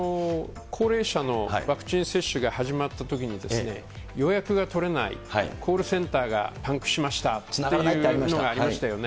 高齢者のワクチン接種が始まったときに、予約が取れない、コールセンターがパンクしました、つながらないというのがありましたよね。